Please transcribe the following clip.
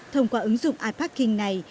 thông qua ứng dụng iparking này